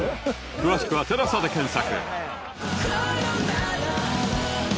詳しくは「ＴＥＬＡＳＡ」で検索